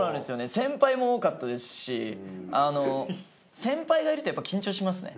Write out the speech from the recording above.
先輩も多かったですし先輩がいるとやっぱり緊張しますね。